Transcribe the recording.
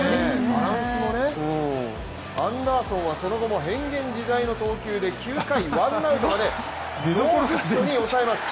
アンダーソンはその後も変幻自在の投球で９回ワンアウトまでノーヒットに抑えます。